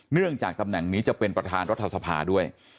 เนื่องจากตำแหน่งนี้จะเป็นประธานรัฐสภาด้วย